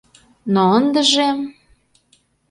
Но ындыже...